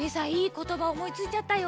ことばおもいついちゃったよ！